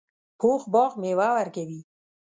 پوخ باغ میوه ورکوي